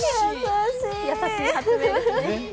優しい発明ですね。